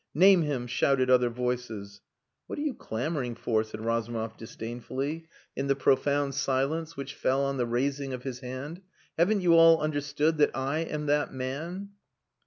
"Name him!" shouted other voices. "What are you clamouring for?" said Razumov disdainfully, in the profound silence which fell on the raising of his hand. "Haven't you all understood that I am that man?"